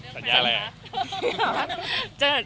สัญญาอะไรคะ